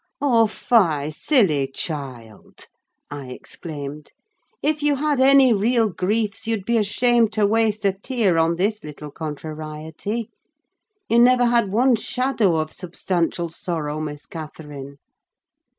"Oh, fie, silly child!" I exclaimed. "If you had any real griefs you'd be ashamed to waste a tear on this little contrariety. You never had one shadow of substantial sorrow, Miss Catherine.